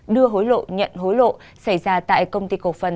đưa hối lộ nhận hối lộ xảy ra tại công ty cổ phần